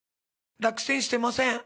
落選してません。